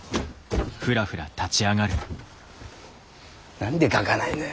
何で書かないのよ。